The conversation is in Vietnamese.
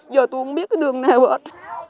giờ tôi không biết cái đường nào hết